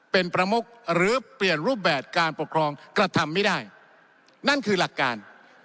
เป็นประมุขหรือเปลี่ยนรูปแบบการปกครองกระทำไม่ได้นั่นคือหลักการ